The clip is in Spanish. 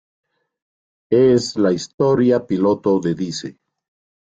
Es la historia piloto de Dice.